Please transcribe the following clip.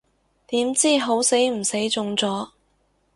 點知好死唔死中咗